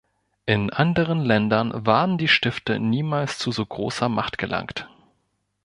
In anderen Ländern waren die Stifte niemals zu so großer Macht gelangt.